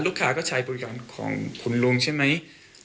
ลูกค้าก็ใช้บริการของคุณลุงใช่ไหม